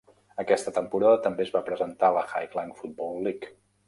Aquesta temporada també es va presentar la Highland Football League.